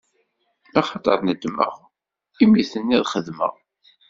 Axaṭer nedmeɣ imi i ten-id-xedmeɣ.